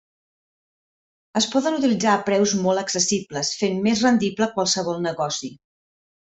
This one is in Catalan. Es poden utilitzar a preus molt accessibles, fent més rendible qualsevol negoci.